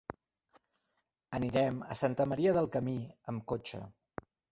Anirem a Santa Maria del Camí amb cotxe.